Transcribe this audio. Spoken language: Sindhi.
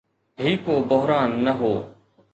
هي ڪو بحران نه هو.